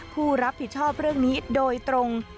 ผู้รับผิดชอบเรื่องนี้โดยตรง